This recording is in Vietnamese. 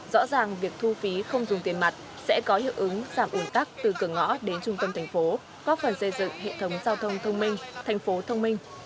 rõ ràng việc thu phí không dùng tiền mặt sẽ có hiệu ứng giảm ủn tắc từ cửa ngõ đến trung tâm thành phố góp phần xây dựng hệ thống giao thông thông minh thành phố thông minh